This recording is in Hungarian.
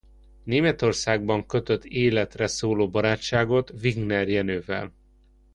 Németországban kötött életre szóló barátságot Wigner Jenővel.